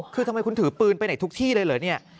คือทำไมคุณถือปืนไปไหนทุกที่เลยเหรอเนี่ย